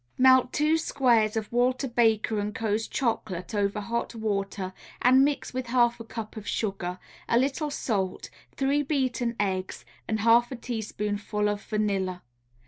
Melt two squares of Walter Baker & Co.'s Chocolate over hot water and mix with half a cup of sugar, a little salt, three beaten eggs and half a teaspoonful of vanilla.